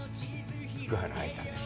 福原愛さんです。